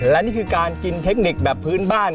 และนี่คือการกินเทคนิคแบบพื้นบ้าน